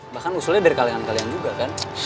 bahkan usulnya dari kalian kalian juga kan